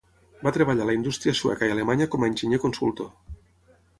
Va treballar a la indústria sueca i alemanya com a enginyer consultor.